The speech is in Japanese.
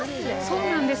そうなんです。